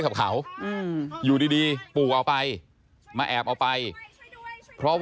อย่าอย่าอย่าอย่าอย่าอย่าอย่าอย่าอย่าอย่าอย่า